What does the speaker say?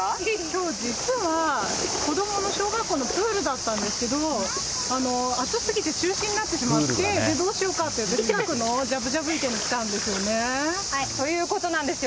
きょう、実は、子どもの小学校のプールだったんですけど、暑すぎて中止になってしまって、どうしようかって、きょう、近くのということなんですよ。